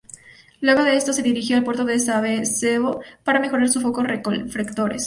Luego de esto se dirigió al puerto de Sasebo para mejorar sus focos reflectores.